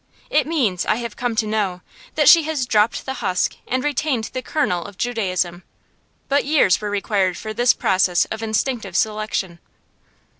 It means, I have come to know, that she has dropped the husk and retained the kernel of Judaism; but years were required for this process of instinctive selection.